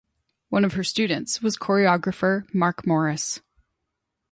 One of her students was choreographer Mark Morris.